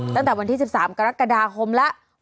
ตั้งแต่วันที่๑๓กรกฎาคมแล้ว